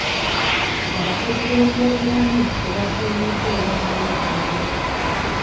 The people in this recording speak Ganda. Abakozi b'ebyobulamu tebasiimiddwa olw'amaanyi gaabwe.